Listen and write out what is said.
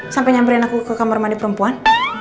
sampai nyamperin aku ke kamar mandi perempuan